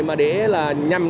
mà để là nhận được